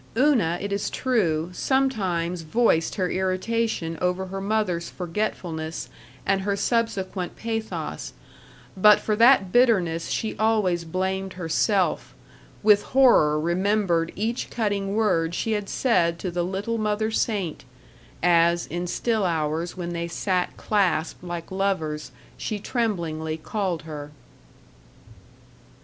Una, it is true, sometimes voiced her irritation over her mother's forgetfulness and her subsequent pathos, but for that bitterness she always blamed herself, with horror remembered each cutting word she had said to the Little Mother Saint (as, in still hours when they sat clasped like lovers, she tremblingly called her).